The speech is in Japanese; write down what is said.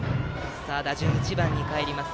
打順は１番にかえります。